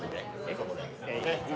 ここで。